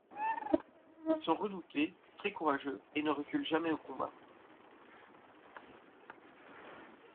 Ils sont redoutés très courageux et ne reculent jamais au combat.